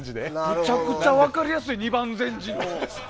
むちゃくちゃ分かりやすい二番煎じの。